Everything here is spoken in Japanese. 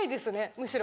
むしろ。